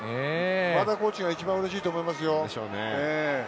和田コーチが一番うれしいと思いますよ。